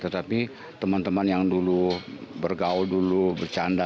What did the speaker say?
tetapi teman teman yang dulu bergaul dulu bercanda